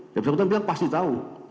tiap bersangkutan bilang pasti tahu